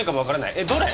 えっどれ？